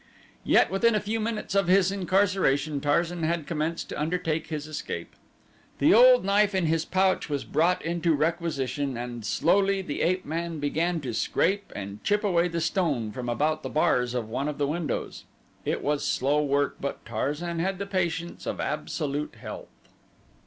Yet within a few minutes of his incarceration Tarzan had commenced to undertake his escape. The old knife in his pouch was brought into requisition and slowly the ape man began to scrape and chip away the stone from about the bars of one of the windows. It was slow work but Tarzan had the patience of absolute health.